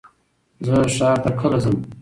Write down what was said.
زه ښار ته کله ځم؟